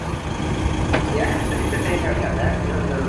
同年调任山西省人大副主任兼财经委员会主任。